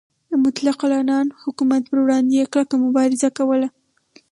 د مطلق العنان حکومت پروړاندې یې کلکه مبارزه کوله.